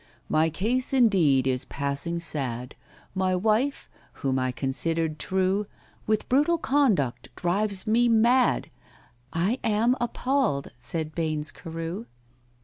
"My case, indeed, is passing sad. My wife—whom I considered true— With brutal conduct drives me mad." "I am appalled," said BAINES CAREW.